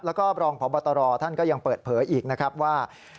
แล้วก็รองพบตรท่านก็ยังเปิดเผยอีกนะครับว่า